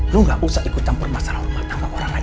lo nggak usah ikut campur masalah rumah tangga orang lain